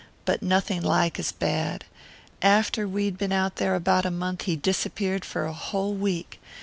But nothing like as bad. After we'd been out there about a month he disappeared for a whole week.